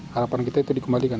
harapan kita itu dikembalikan